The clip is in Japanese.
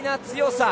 強い。